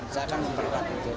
saya akan memperberat itu